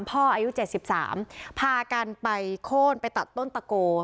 พ่ออายุเจ็ดสิบสามพากันไปโค้นไปตัดต้นตะโก